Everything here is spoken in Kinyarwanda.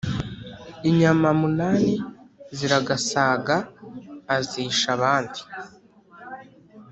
Inyama munani ziragasaga azisha abandi